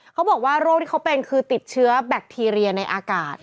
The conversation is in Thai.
เขาบอกว่าโรคที่เขาเป็นคือติดเชื้อแบคทีเรียในอากาศ